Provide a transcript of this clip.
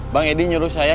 bang edi nyuruh saya